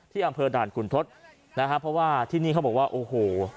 อำเภอด่านขุนทศนะฮะเพราะว่าที่นี่เขาบอกว่าโอ้โห